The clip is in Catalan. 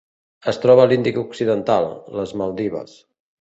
Es troba a l'Índic occidental: les Maldives.